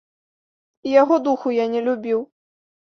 І яго духу я не любіў.